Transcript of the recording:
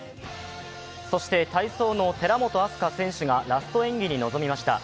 体操の寺本明日香選手がラスト演技に臨みました。